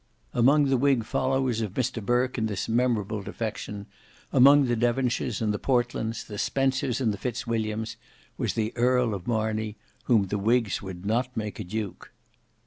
Among the whig followers of Mr Burke in this memorable defection, among the Devonshires and the Portlands, the Spencers and the Fitzwilliams, was the Earl of Marney, whom the whigs would not make a duke.